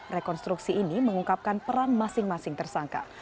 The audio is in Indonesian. rekonstruksi ini mengungkapkan peran masing masing tersangka